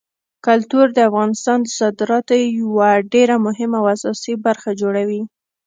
کلتور د افغانستان د صادراتو یوه ډېره مهمه او اساسي برخه جوړوي.